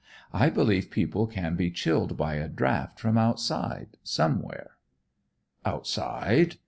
I believe people can be chilled by a draft from outside, somewhere." "Outside?"